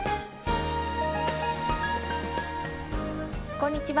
こんにちは。